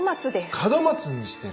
門松にしてる。